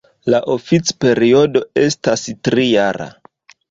La oficperiodo estas tri-jara.